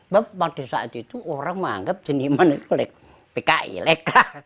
bahwa pada saat itu orang menganggap seniman itu lek pki lek